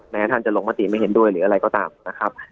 ท่านจะลงมติไม่เห็นด้วยหรืออะไรก็ตามนะครับ